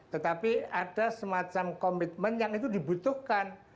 tetapi ada semacam komitmen yang itu dibutuhkan